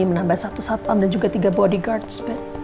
menambah satu satpam dan juga tiga bodyguards